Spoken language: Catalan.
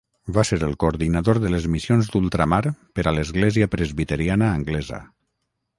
Va ser el coordinador de les missions d'ultramar per a l'església presbiteriana anglesa.